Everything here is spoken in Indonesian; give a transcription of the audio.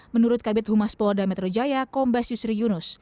menurut kabit humas polda metro jaya kombes yusri yunus